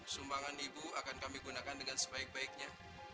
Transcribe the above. sumbangan ibu akan kami gunakan dengan sebaik baiknya